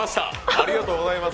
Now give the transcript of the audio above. ありがとうございます。